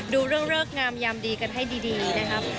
ดูเรื่องเลิกงามยามดีกันให้ดีนะครับ